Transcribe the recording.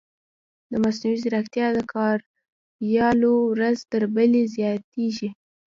د مصنوعي ځیرکتیا کاریالونه ورځ تر بلې زیاتېږي.